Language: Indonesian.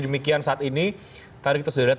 demikian saat ini tadi kita sudah lihat